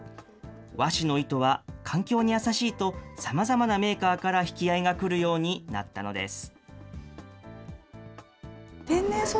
和紙の糸は環境に優しいとさまざまなメーカーから引き合いがくるようになったのです。